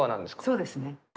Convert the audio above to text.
そうですね。